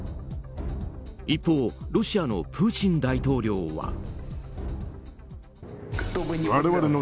一方、ロシアのプーチン大統領は。